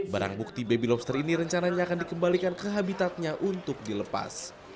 barang bukti baby lobster ini rencananya akan dikembalikan ke habitatnya untuk dilepas